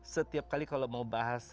setiap kali kalau mau bahas